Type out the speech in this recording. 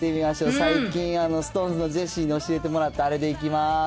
最近、ＳｉｘＴＯＮＥＳのジェシーに教えてもらったあれでいきます。